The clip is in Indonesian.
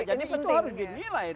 jadi itu harus dinilai dong